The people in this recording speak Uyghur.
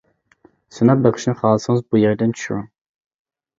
سىناپ بېقىشنى خالىسىڭىز بۇ يەردىن چۈشۈرۈڭ.